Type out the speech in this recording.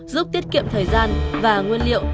giúp tiết kiệm thời gian và nguyên liệu